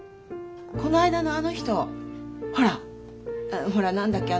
この間のあの人ほらほら何だっけ？